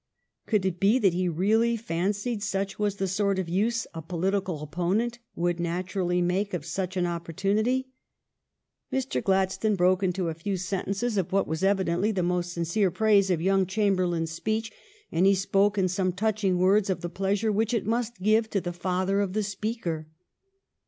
Could it be that he really fancied such was the sort of use a political opponent would naturally make of such an opportunity ? Mr. Gladstone broke into a few HOME RULE 377 sentences of what was evidently the most sincere praise of young Chamberlain s speech, and he spoke in some touching words of the pleasure which it must give to the father of the speaker.